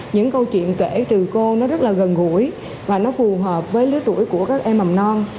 những câu chuyện kể từ cô nó rất là gần gũi và nó phù hợp với lứa tuổi của các em mầm non